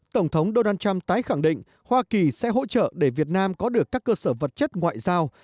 tổng thống donald trump tái khẳng định hoa kỳ sẽ hỗ trợ để việt nam có được các cơ sở vật chất ngoại giao